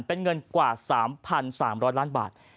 เป็นเงินกว่า๓๓๐๐ล้านบาท